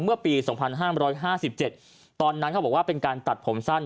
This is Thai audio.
เมื่อปี๒๕๕๗ตอนนั้นเขาบอกว่าเป็นการตัดผมสั้น